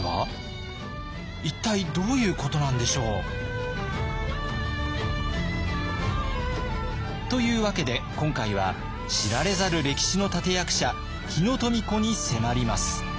一体どういうことなんでしょう？というわけで今回は知られざる歴史の立役者日野富子に迫ります。